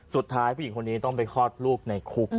ผู้หญิงคนนี้ต้องไปคลอดลูกในคุก